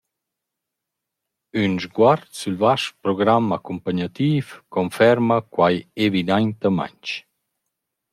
Il sguard sül vast program accumpagnativ conferma quai evidaintamaing.